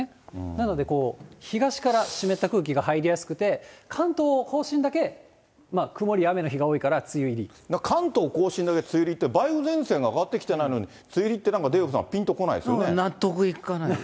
なので、東から湿った空気が入りやすくて、関東甲信だけ曇り、関東甲信だけ梅雨入りって、梅雨前線が上がってきてないのに、梅雨入りってなんかデーブさん、納得いかない。